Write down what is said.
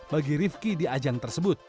bagi rifki di ajang tersebut